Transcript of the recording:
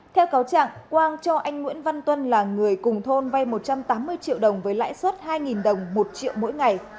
theo cáo trạng quang cho anh nguyễn văn tuân là người cùng thôn vay một trăm tám mươi triệu đồng với lãi suất hai đồng một triệu mỗi ngày